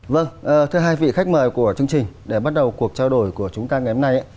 vâng thứ hai vị khách mời của chương trình để bắt đầu cuộc trao đổi của chúng ta ngày hôm nay